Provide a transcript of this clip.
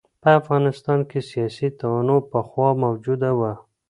په افغانستان کې سیاسي تنوع پخوا موجوده وه.